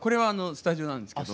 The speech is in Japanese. スタジオなんですね。